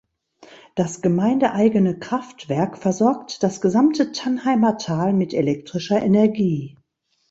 Das gemeindeeigene Kraftwerk versorgt das gesamte Tannheimer Tal mit elektrischer Energie.